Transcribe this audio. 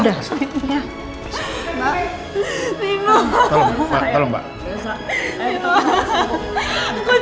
dan belajar untuk mencari kemampuan kamu